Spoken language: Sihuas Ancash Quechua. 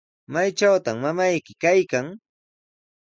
¿Maytrawtaq mamayki kaykan?